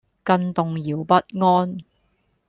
更動搖不安